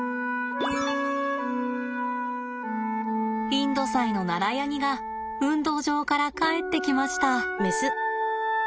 インドサイのナラヤニが運動場から帰ってきました。